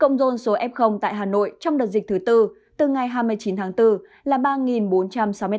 cộng dồn số f tại hà nội trong đợt dịch thứ bốn từ ngày hai mươi chín tháng bốn là ba bốn trăm sáu mươi tám ca